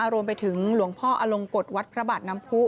รวมไปถึงหลวงพ่ออลงกฎวัดพระบาทน้ำผู้